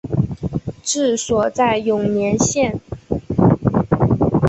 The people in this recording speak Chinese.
治所在永年县。